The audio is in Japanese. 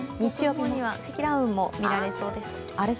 午後には積乱雲も見られそうです。